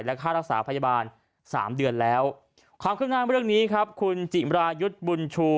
และค่ารักษาพยาบาลสามเดือนแล้วความคืบหน้าเรื่องนี้ครับคุณจิมรายุทธ์บุญชู